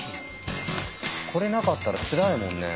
これなかったらつらいもんね。